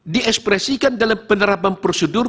diekspresikan dalam penerapan prosedur